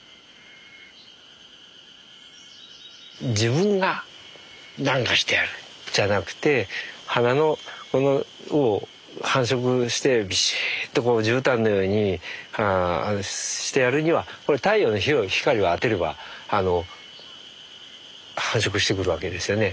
自分が何かしてやるじゃなくて花のこの繁殖してびしっとこうじゅうたんのようにしてやるには太陽の日を光を当てれば繁殖してくるわけですよね。